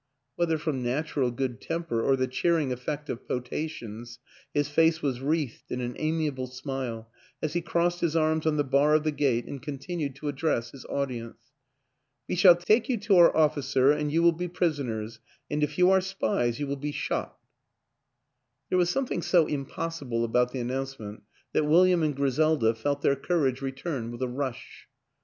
Whether from natural good temper or the cheer ing effect of potations his face was wreathed in an amiable smile as he crossed his arms on the bar of the gate and continued to address his audi ence " We shall take you to our officer and you will be prisoners, and if you are spies you will be WILLIAM AN ENGLISHMAN 87 There was something so impossible about the announcement that William and Griselda felt their courage return with a rush.